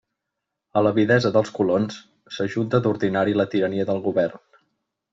A l'avidesa dels colons s'ajunta d'ordinari la tirania del govern.